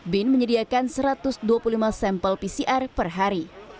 bin menyediakan satu ratus dua puluh lima sampel pcr per hari